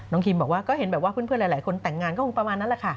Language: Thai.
คิมบอกว่าก็เห็นแบบว่าเพื่อนหลายคนแต่งงานก็คงประมาณนั้นแหละค่ะ